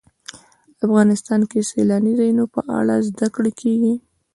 افغانستان کې د سیلانی ځایونه په اړه زده کړه کېږي.